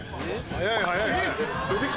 早い早い！